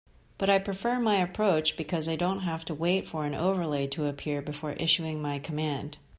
But I prefer my approach because I don't have to wait for an overlay to appear before issuing my command.